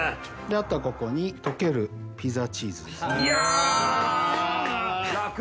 あとここに溶けるピザチーズですね。